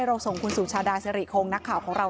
เราส่งคุณสุชาดาสิริคงนักข่าวของเรา